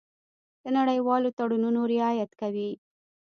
د نړیوالو تړونونو رعایت کوي.